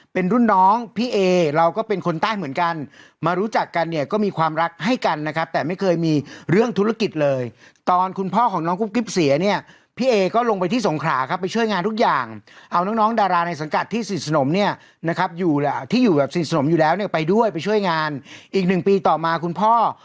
เป็นรุ่นน้องพี่เอเราก็เป็นคนใต้เหมือนกันมารู้จักกันเนี่ยก็มีความรักให้กันนะครับแต่ไม่เคยมีเรื่องธุรกิจเลยตอนคุณพ่อของน้องกุ๊กกิ๊บเสียเนี่ยพี่เอก็ลงไปที่สงขราครับไปช่วยงานทุกอย่างเอาน้องน้องดาราในสังกัดที่สนิทสนมเนี่ยนะครับอยู่แหละที่อยู่แบบสนิทสนมอยู่แล้วเนี่ยไปด้วยไปช่วยงานอีกหนึ่งปีต่อมาคุณพ่อ